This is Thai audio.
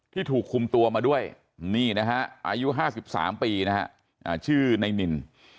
ถูกคุมตัวมาด้วยนี่นะฮะอายุ๕๓ปีนะฮะชื่อในนิน